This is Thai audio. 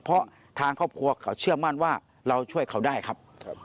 เพราะทางครอบครัวเขาเชื่อมั่นว่าเราช่วยเขาได้ครับ